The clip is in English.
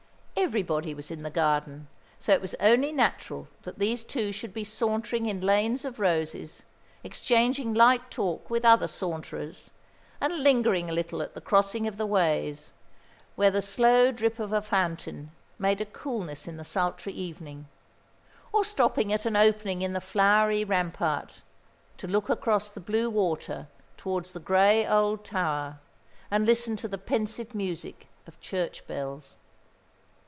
Everybody was in the garden, so it was only natural that these two should be sauntering in lanes of roses, exchanging light talk with other saunterers, and lingering a little at the crossing of the ways, where the slow drip of a fountain made a coolness in the sultry evening, or stopping at an opening in the flowery rampart, to look across the blue water towards the grey old tower, and listen to the pensive music of church bells.